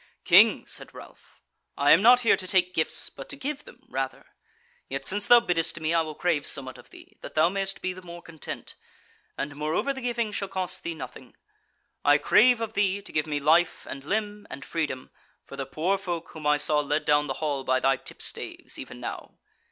"King," said Ralph, "I am not here to take gifts but to give them rather: yet since thou biddest me I will crave somewhat of thee, that thou mayst be the more content: and moreover the giving shall cost thee nothing: I crave of thee to give me life and limb and freedom for the poor folk whom I saw led down the hall by thy tipstaves, even now.